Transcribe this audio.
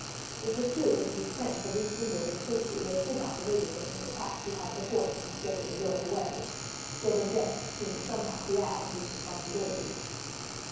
It was true that if his friends had reached England in safety they could not have aided him in the task he had before him of getting the girls away; still their deaths somehow seemed to add to his responsibilities.